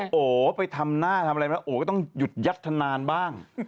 โอ้โหไปทำหน้าทำอะไรมาโอ้ก็ต้องหยุดยัดธนานบ้าง